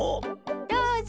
どうぞ。